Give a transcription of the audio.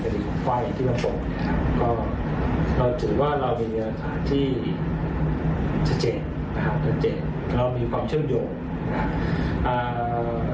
ในเรื่องของประสานฐานิติวิทยาศาสตร์